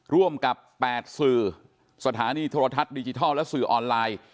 ร่วมกับ๘สื่อสถานีโทรทัศน์ดิจิทัลและสื่อออนไลน์